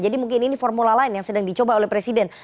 jadi mungkin ini formula lain yang sedang dicoba oleh presiden